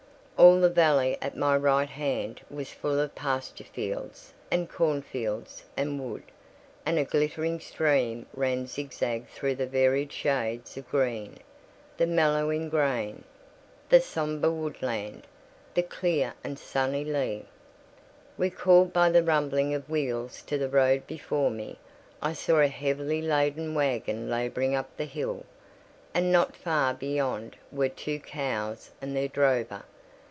All the valley at my right hand was full of pasture fields, and cornfields, and wood; and a glittering stream ran zig zag through the varied shades of green, the mellowing grain, the sombre woodland, the clear and sunny lea. Recalled by the rumbling of wheels to the road before me, I saw a heavily laden waggon labouring up the hill, and not far beyond were two cows and their drover.